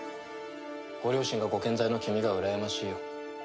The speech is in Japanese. ご両親がご健在の君がうらやましいよ。